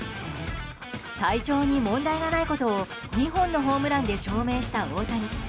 体調に問題がないことを２本のホームランで証明した大谷。